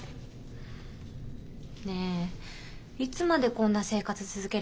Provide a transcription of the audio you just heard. ねえいつまでこんな生活続けるつもり？